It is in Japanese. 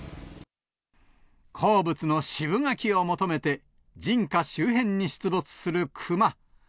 好物のシブガキを求めて、人家周辺に出没する熊。